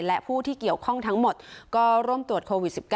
และผู้ที่เกี่ยวข้องทั้งหมดก็ร่วมตรวจโควิด๑๙